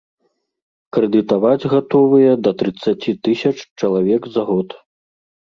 Крэдытаваць гатовыя да трыццаці тысяч чалавек за год.